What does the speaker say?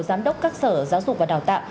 giám đốc các sở giáo dục và đào tạo